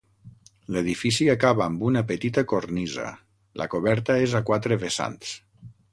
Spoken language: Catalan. L'edifici acaba amb una petita cornisa, la coberta és a quatre vessants.